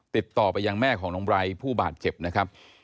ติดต่อไปยังแม่ของน้องไร้ผู้บาดเจ็บนะครับ